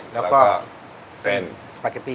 แล้วก็สเป๊ก็อตตี้